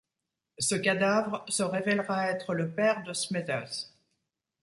Ce cadavre se révèlera être le père de Smithers.